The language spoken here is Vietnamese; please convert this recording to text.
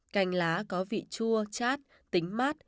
canh lá có vị chua chát tính mát